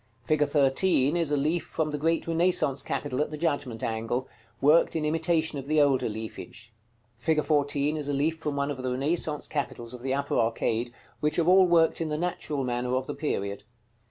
Fig. 13 is a leaf from the great Renaissance capital at the Judgment angle, worked in imitation of the older leafage. Fig. 14 is a leaf from one of the Renaissance capitals of the upper arcade, which are all worked in the natural manner of the period.